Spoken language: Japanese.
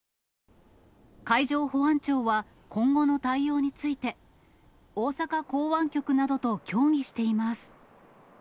海上保安庁は今後の対応について、大阪港湾局などと協議しています。